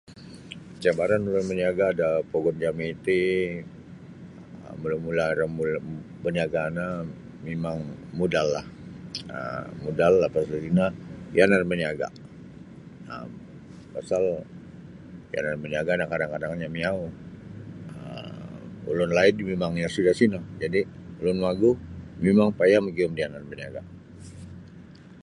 Cabaran ulun baniaga da pogun jami ti um mula-mula ri ombo baniaga no mimang modallah um modal lapas tatino yanan baniaga um pasal yanan baniaga no kadang-kadang no miau' um ulun laid mimang iyo suda sino jadi ulun wagu mimang payah magium da yanan baniaga.